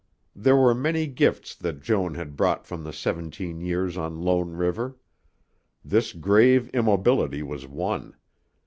There were many gifts that Joan had brought from the seventeen years on Lone River. This grave immobility was one.